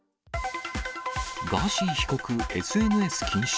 ガーシー被告、ＳＮＳ禁止。